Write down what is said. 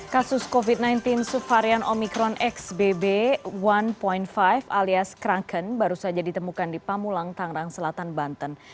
kasus covid sembilan belas subvarian omikron xbb satu lima alias kerangken baru saja ditemukan di pamulang tangerang selatan banten